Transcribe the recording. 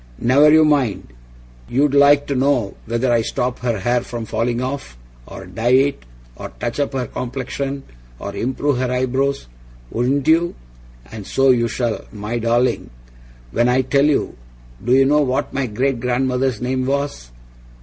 'Never YOU mind! You'd like to know whether I stop her hair from falling off, or dye it, or touch up her complexion, or improve her eyebrows, wouldn't you? And so you shall, my darling when I tell you! Do you know what my great grandfather's name was?